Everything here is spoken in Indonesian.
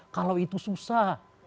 kalau itu susah